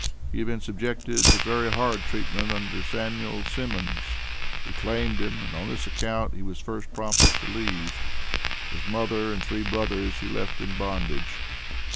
He had been subjected to very hard treatment under Samuel Simmons who claimed him, and on this account he was first prompted to leave. His mother and three brothers he left in bondage.